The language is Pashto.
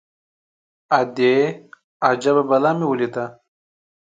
_ادې! اجبه بلا مې وليده.